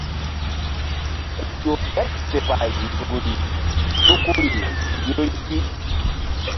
Ku ƴo ɓeɓ fe pay nzukri ɗukuri ƴori pi.